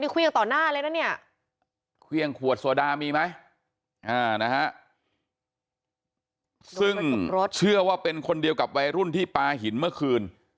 เครื่องขวดโซดามีไหมซึ่งเชื่อว่าเป็นคนเดียวกับวัยรุ่นที่ปลาหินเมื่อคืน